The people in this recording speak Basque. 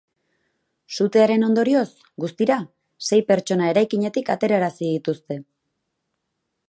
Sutearen ondorioz, guztira, sei pertsona eraikinetik aterarazi dituzte.